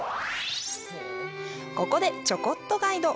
ここで、ちょこっとガイド。